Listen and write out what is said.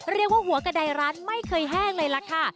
เรียกว่าหัวกระดายร้านไม่เคยแห้งเลยล่ะค่ะ